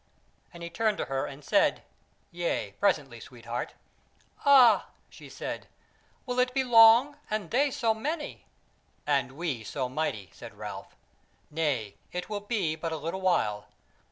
And he turned to her and said; "Yea, presently, sweetheart!" "Ah," she said, "will it be long? and they so many!" "And we so mighty!" said Ralph. "Nay, it will be but a little while.